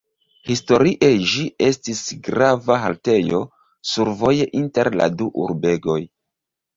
Historie ĝi estis grava haltejo survoje inter la du urbegoj.